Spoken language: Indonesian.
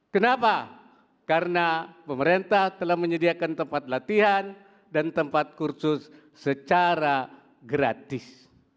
kenapa karena pemerintah telah menyediakan tempat latihan dan tempat kursus secara gratis